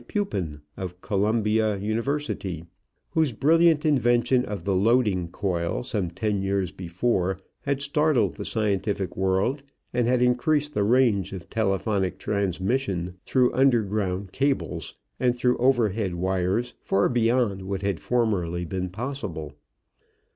Pupin, of Columbia University, whose brilliant invention of the loading coil some ten years before had startled the scientific world and had increased the range of telephonic transmission through underground cables and through overhead wires far beyond what had formerly been possible.